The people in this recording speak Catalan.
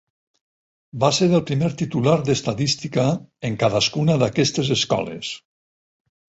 Va ser el primer titular d’estadística en cadascuna d'aquestes escoles.